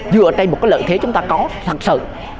dựa trên một cái lợi thế chúng ta có thật sự